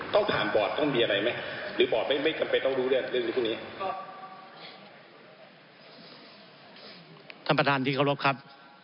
ท่านประธานทีเพ้อรกครับ